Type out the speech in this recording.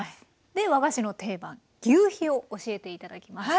で和菓子の定番ぎゅうひを教えて頂きます。